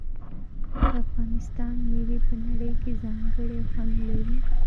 د افغانستان میوې په نړۍ کې ځانګړی خوند لري.